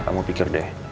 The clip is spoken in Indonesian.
kamu pikir deh